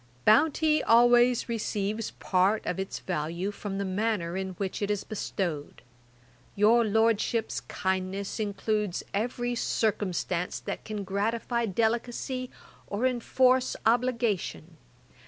'Bounty always receives part of its value from the manner in which it is bestowed; your Lordship's kindness includes every circumstance that can gratify delicacy, or enforce obligation.